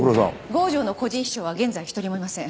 郷城の個人秘書は現在一人もいません。